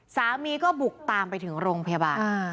สามีก็บุกตามไปถึงโรงพยาบาล